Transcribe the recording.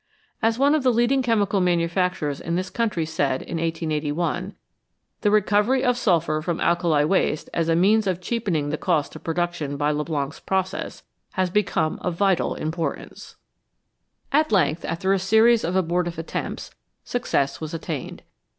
As one of the leading chemical manufacturers in this country said in 1881: "The recovery of sulphur from alkali waste, as a means of cheapening the cost of production by Leblanc's process, has become of vital importance." 278 THE VALUE OF THE BY PRODUCT At length, after a series of abortive attempts, success was attained.